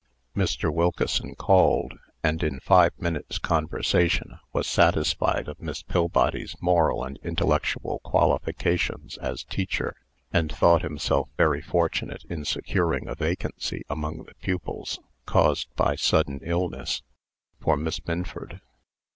Mr. Wilkeson called, and in five minutes' conversation was satisfied of Miss Pillbody's moral and intellectual qualifications as teacher, and thought himself very fortunate in securing a vacancy among the pupils (caused by sudden illness) for Miss Minford.